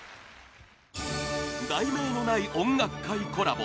「題名のない音楽会」コラボ